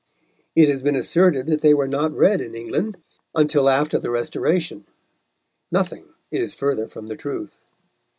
It has been asserted that they were not read in England until after the Restoration. Nothing is further from the truth.